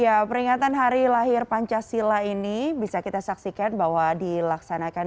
ya peringatan hari lahir pancasila ini bisa kita saksikan bahwa dilaksanakan